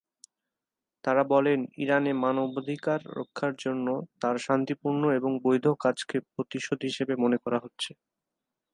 তারা বলেন, ইরানে মানবাধিকার রক্ষার জন্য তার শান্তিপূর্ণ এবং বৈধ কাজকে প্রতিশোধ হিসেবে মনে করা হচ্ছে।